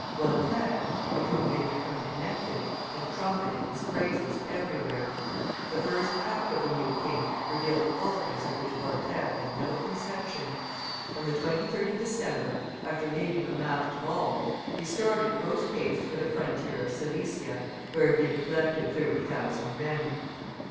Voltaire, with whom he had become connected, had trumpeted his praises everywhere. The first act of the new king revealed qualities of which Voltaire had no conception. On the 23d of December, after leaving a masked ball, he started post haste for the frontier of Silesia, where he had collected thirty thousand men.